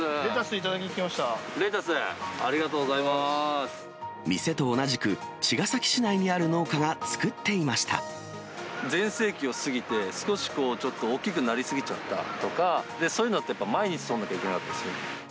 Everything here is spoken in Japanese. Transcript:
レタス、ありがとうございま店と同じく、茅ヶ崎市内にあ全盛期を過ぎて、少しこう、ちょっと大きくなり過ぎちゃったとか、そういうのってやっぱ毎日取らなきゃいけなかったりする。